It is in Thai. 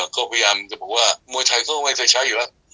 ก็พยายามจะบอกว่ามวยไทยก็ไม่เคยใช้อยู่แล้ว